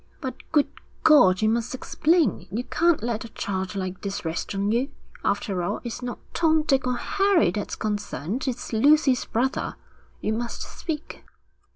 'But, good God! you must explain. You can't let a charge like this rest on you. After all, it's not Tom, Dick, or Harry that's concerned; it's Lucy's brother. You must speak.'